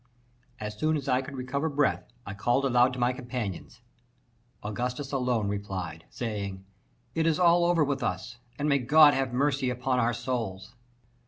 As soon as I could recover breath, I called aloud to my companions. Augustus alone replied, saying: "It is all over with us, and may God have mercy upon our souls!"